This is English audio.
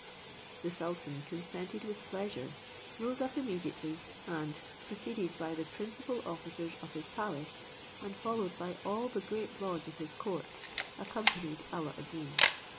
The sultan consented with pleasure, rose up immediately, and, preceded by the principal officers of his palace, and followed by all the great lords of his court, accompanied Alla ad Deen.